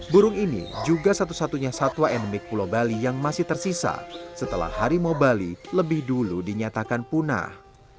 burung ini juga satu satunya satwa endemik pulau bali yang masih tersisa setelah harimau bali lebih dulu dinyatakan punah